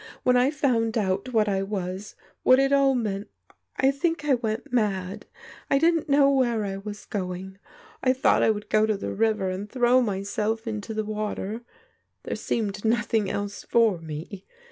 When I found out what I was, — what it all meant, I think I went mad. I didn't know where I was going. I thought I would go to the river and throw myself into the water. ... There seemed nothing else for me.